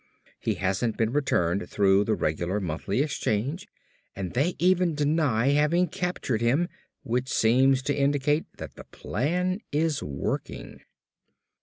He hasn't been returned through the regular monthly exchange and they even deny having captured him which seems to indicate that the plan is working."